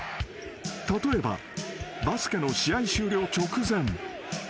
［例えばバスケの試合終了直前］